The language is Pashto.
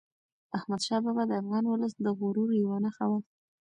احمدشاه بابا د افغان ولس د غرور یوه نښه وه.